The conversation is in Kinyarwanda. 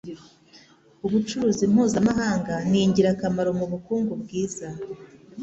Ubucuruzi mpuzamahanga ningirakamaro mubukungu bwiza